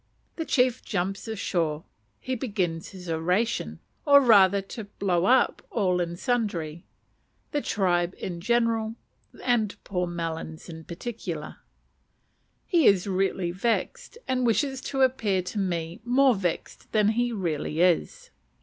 The chief jumps ashore; he begins his oration, or rather to "blow up," all and sundry, the tribe in general, and poor "Melons" in particular. He is really vexed, and wishes to appear to me more vexed than he really is.